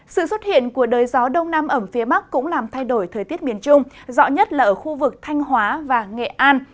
sự xuất hiện của đới gió đông nam ẩm phía bắc cũng làm thay đổi thời tiết miền trung rõ nhất là ở khu vực thanh hóa và nghệ an